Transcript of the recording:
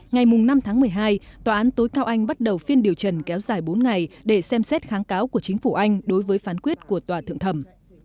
ngày năm tháng một mươi hai tòa án tối cao anh bắt đầu phiên điều trần kéo dài bốn ngày để xem xét kháng cáo của chính phủ anh đối với phán quyết của tòa thượng thẩm